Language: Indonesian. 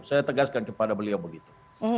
saya tegaskan kepada beliau begitu